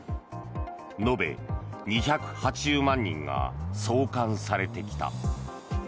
延べ２８０万人が送還されてきた。